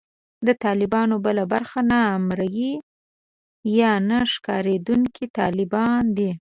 د طالبانو بله برخه نامرئي یا نه ښکارېدونکي طالبان دي